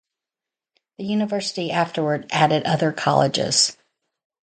The university afterward added other colleges.